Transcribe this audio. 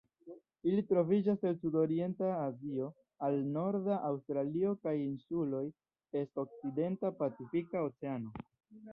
Ili troviĝas el Sudorienta Azio al norda Aŭstralio kaj insuloj en okcidenta Pacifika Oceano.